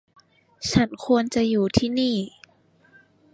ฉันควรจะอยู่ที่นี่